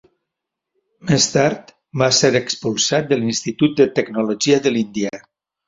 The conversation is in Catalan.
Més tard va ser expulsat de l'Institut de Tecnologia de l'Índia.